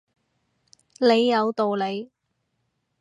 你有道理